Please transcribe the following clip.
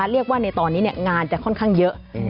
นะคะเรียกว่าในตอนนี้เนี่ยงานจะค่อนข้างเยอะอืม